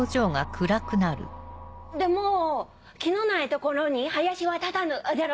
でも木のない所に林は立たぬじゃろ？